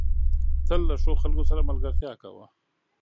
تل له ښو خلکو سره ملګرتيا کوه.